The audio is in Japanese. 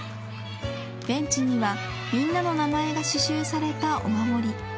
ベンチにはみんなの名前が刺しゅうされたお守り。